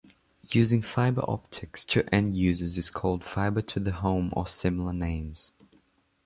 Using fiber-optics to end users is called Fiber To The Home or similar names.